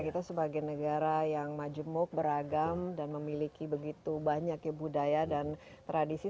kita sebagai negara yang majemuk beragam dan memiliki begitu banyak ya budaya dan tradisi